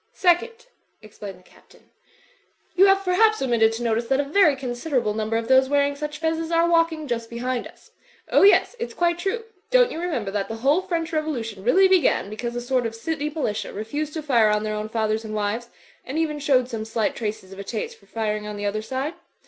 "Second," explained the Captain, "you have, per haps, omitted to notice that a very considerable num ber of those wearing such fezzes are walking just be hind us. Oh, yes, it's quite true. Don't you remember that the whole French Revolution really began be cause a sort of City Militia refused to fire on their own fathers and wives; and even showed some slight traces of a taste for firing on the other side?